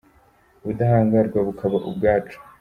Ubudahangarwa bukaba ubwacu.